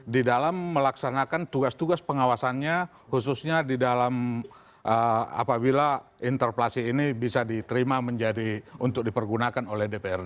di dalam melaksanakan tugas tugas pengawasannya khususnya di dalam apabila interpelasi ini bisa diterima menjadi untuk dipergunakan oleh dprd